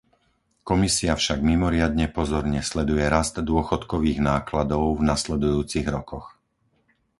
Komisia však mimoriadne pozorne sleduje rast dôchodkových nákladov v nasledujúcich rokoch.